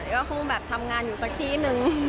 ก็คงแบบทำงานอยู่สักที่นึง